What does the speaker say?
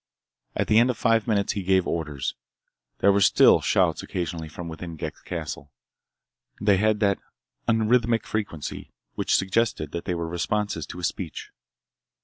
At the end of five minutes he gave orders. There were still shouts occasionally from within Ghek's castle. They had that unrhythmic frequency which suggested that they were responses to a speech.